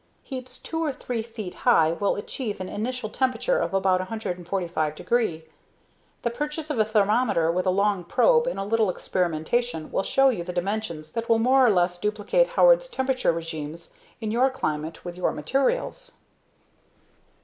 Heaps two or three feet high will achieve an initial temperature of about 145 degree. The purchase of a thermometer with a long probe and a little experimentation will show you the dimensions that will more or less duplicate Howard's temperature regimes in your climate with your materials.